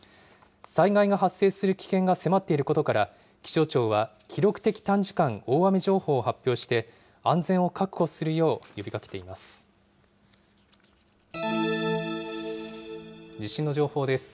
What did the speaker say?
災害の発生する危険が迫っていることから気象庁は記録的短時間大雨情報を発表して安全を確保するよう呼びかけています。